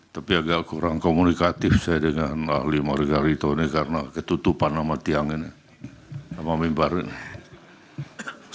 tapi agak kurang komunikatif saya dengan ahli margarito ini karena ketutupan nama tiang ini nama mimbar ini